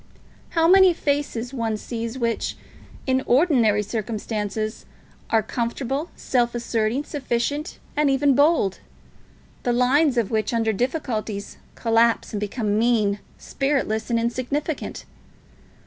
How many faces one sees which, in ordinary circumstances, are comfortable, self asserting, sufficient, and even bold; the lines of which, under difficulties, collapse and become mean, spiritless, and insignificant.